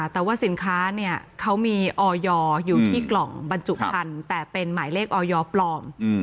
แต่ว่าสินค้าเขามีออยอยู่ที่กล่องบรรจุพันธุ์แต่เป็นหมายเลขออยปลอม